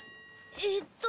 えっと